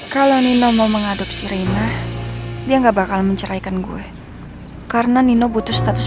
kalau nino mau mengadopsi reina dia nggak bakal menceraikan gue karena nino butuh status